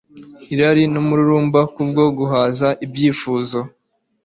irari numururumba Kubwo guhaza ibyifuzo